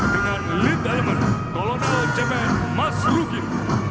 dengan lead element kolonel jpm mas rukin